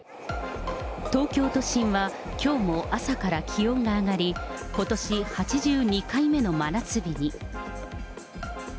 東京都心は、きょうも朝から気温が上がり、ことし８２回目の真夏日に。